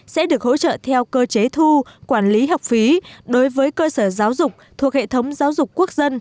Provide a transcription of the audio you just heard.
sẽ được hỗ trợ theo cơ chế thu quản lý học phí đối với cơ sở giáo dục thuộc hệ thống giáo dục quốc dân